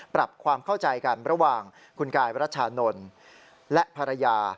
ปรับความเข้าใจกันระหว่างคุณกายวรัชชานนท์และภรรยา